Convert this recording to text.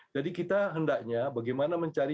jadi kita hendaknya bagaimana mencari